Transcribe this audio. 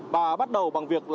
và bắt đầu bằng việc